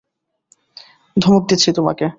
ধমক দিচ্ছি তোমাকে!